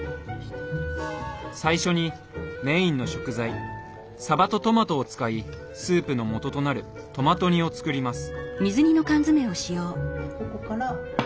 最初にメインの食材さばとトマトを使いスープのもととなるトマト煮を作ります。